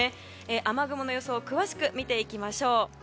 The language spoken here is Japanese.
雨雲の予想を詳しく見ていきましょう。